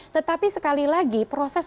tetapi sekali lagi proses